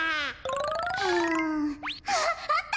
うんあっあった！